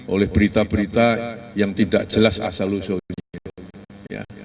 oleh berita berita yang tidak jelas asal usulnya